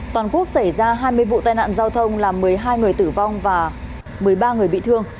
toàn quốc xảy ra hai mươi vụ tai nạn giao thông làm một mươi hai người tử vong và một mươi ba người bị thương